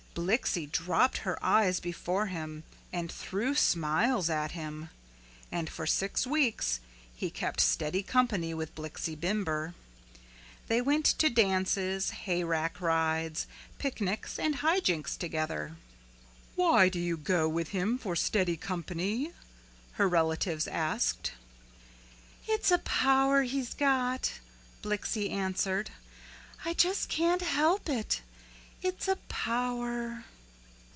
Blixie dropped her eyes before him and threw smiles at him. And for six weeks he kept steady company with Blixie Bimber. They went to dances, hayrack rides, picnics and high jinks together. "Why do you go with him for steady company?" her relatives asked. "It's a power he's got," Blixie answered, "I just can't help it it's a power."